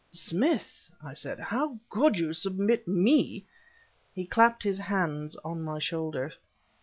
"Smith!" I said "how could you submit me..." He clapped his hands on my shoulders.